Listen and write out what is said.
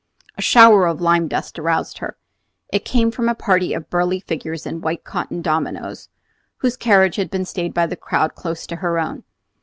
A shower of lime dust aroused her. It came from a party of burly figures in white cotton dominos, whose carriage had been stayed by the crowd close to her own.